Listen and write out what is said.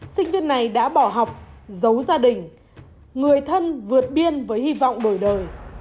sinh viên này đã bỏ học giấu gia đình người thân vượt biên với hy vọng đổi đời